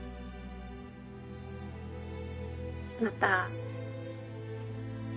また。